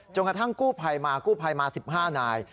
กระทั่งกู้ภัยมากู้ภัยมา๑๕นาย